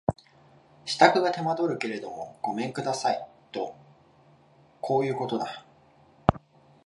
支度が手間取るけれどもごめん下さいとこういうことだ